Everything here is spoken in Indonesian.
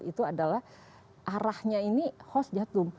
itu adalah arahnya ini host jatuh